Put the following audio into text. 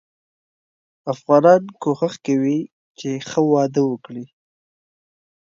افغانان کوښښ کوي چې ښه واده وګړي.